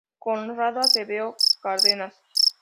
Conrado Acevedo Cárdenas.